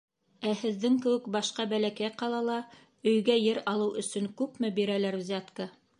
Ә һеҙҙең кеүек башҡа бәләкәй ҡалала өйгә ер алыу өсөн күпме бирәләр взятка?